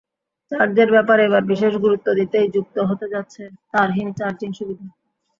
চার্জের ব্যাপারে এবার বিশেষ গুরুত্ব দিতেই যুক্ত হতে যাচ্ছে তারহীন চার্জিং সুবিধা।